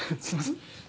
すいません。